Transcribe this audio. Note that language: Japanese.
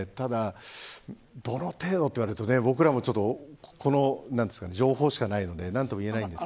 ただ、どの程度と言われると僕らもこの情報しかないので何とも言えないんですが。